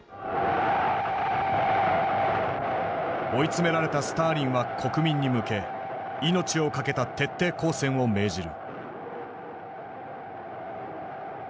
追い詰められたスターリンは国民に向け命を懸けた徹底抗戦を命じる。